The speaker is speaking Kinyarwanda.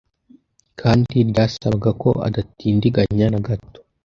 kandi ryasabaga ko adatindiganya nagato.